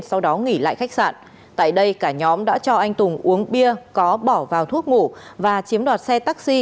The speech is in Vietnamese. sau đó nghỉ lại khách sạn tại đây cả nhóm đã cho anh tùng uống bia có bỏ vào thuốc ngủ và chiếm đoạt xe taxi